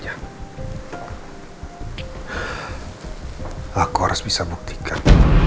aku harus bisa buktikan